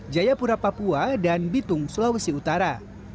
jayapura papua dan bitung sulawesi utara